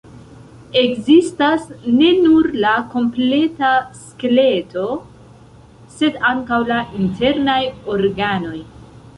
Ekzistas ne nur la kompleta skeleto, sed ankaŭ la internaj organoj.